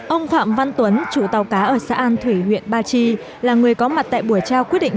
ông phạm văn tuấn chủ tàu cá ở xã an thủy huyện ba chi là người có mặt tại buổi trao quyết định